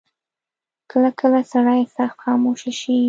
کله کله سړی سخت خاموشه شي.